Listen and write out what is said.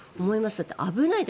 だって危ない。